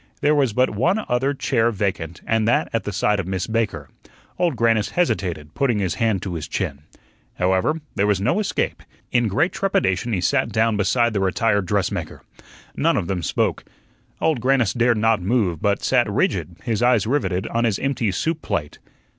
There was but one other chair vacant, and that at the side of Miss Baker. Old Grannis hesitated, putting his hand to his chin. However, there was no escape. In great trepidation he sat down beside the retired dressmaker. Neither of them spoke. Old Grannis dared not move, but sat rigid, his eyes riveted on his empty soup plate.